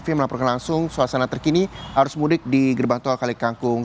fi melaporkan langsung suasana terkini arus mudik di gerbang tol kalikangkung